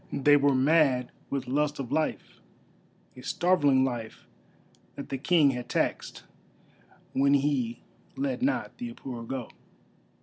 They were mad with lust of life, a starveling life that the King had taxed, when he let not the Apura go.